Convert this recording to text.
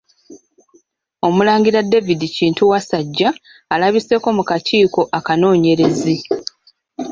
Omulangira David Kintu Wasajja alabiseeko mu kakiiko akanoonyerezi.